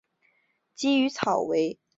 鲫鱼草是禾本科画眉草属的植物。